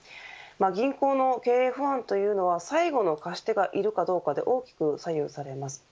銀行の経営不安というのは最後の貸し手がいるかどうかで大きく左右されます。